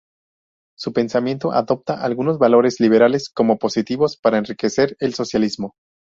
Su pensamiento adopta algunos valores liberales como positivos para enriquecer el socialismo.